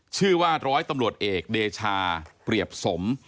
ชื่อว่าร้อยตำรวจเอกเดชาเปรียบสม